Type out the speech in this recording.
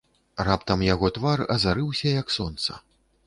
Раптам яго твар азарыўся, як сонца.